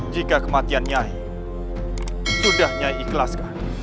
jika kematian nyahi sudah nyai ikhlaskan